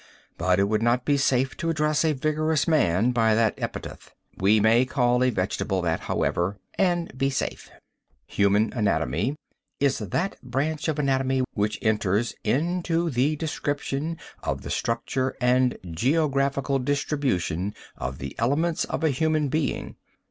But it would not be safe to address a vigorous man by that epithet. We may call a vegetable that, however, and be safe. Human anatomy is that branch of anatomy which enters into the description of the structure and geographical distribution of the elements of a human being.